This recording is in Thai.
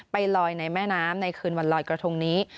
ไปลอยในแม่น้ำในคืนวันลอยกระทงนี้